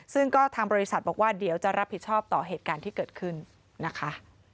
ซึ่งก็ทางบริษัทบอกว่าเดี๋ยวจะรับผิดชอบต่อเหตุการณ์ที่เกิดขึ้นนะคะ